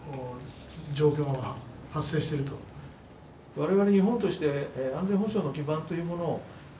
我々日本として安全保障の基盤というものを。